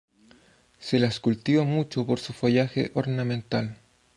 Se las cultiva mucho por su follaje ornamental.